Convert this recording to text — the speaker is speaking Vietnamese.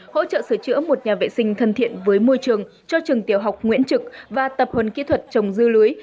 hỗ trợ sửa chữa một nhà vệ sinh thân thiện với môi trường cho trường tiểu học nguyễn trực và tập huấn kỹ thuật trồng dư lưới